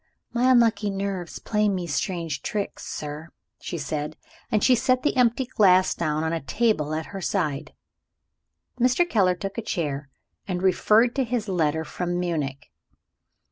"My unlucky nerves play me strange tricks, sir," she answered, as she set the empty glass down on a table at her side. Mr. Keller took a chair and referred to his letter from Munich.